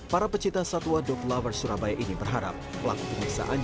para pecinta satwa dog lover surabaya ini berharap pelaku penyiksa anjing